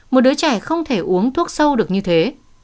một đứa trẻ không thể uống thuốc sâu được như thế